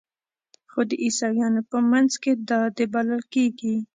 خو د عیسویانو په منځ کې دا د بلل کیږي.